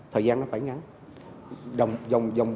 thời gian nó phải ngắn